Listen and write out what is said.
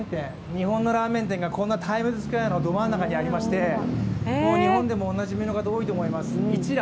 日本のラーメン店がこんなタイムズスクエアのど真ん中にありまして日本でもおなじみの方、多いと思います、一蘭。